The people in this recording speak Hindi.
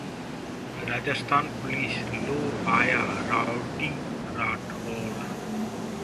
राजस्थान पुलिस: लो आया राउडी राठौड़